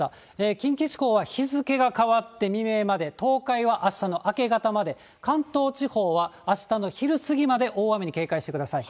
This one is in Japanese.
近畿地方は日付が変わって未明まで、東海はあしたの明け方まで、関東地方はあしたの昼過ぎまで大雨に警戒してください。